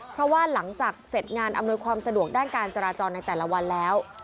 เพราะว่าหลังจากเสร็จงานอำนวยความสะดวกด้านการจราจรในแต่ละวันแล้ว